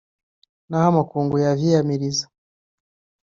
naho amakungu yavyiyamiriza